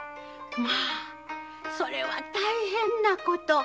まぁそれは大変なこと。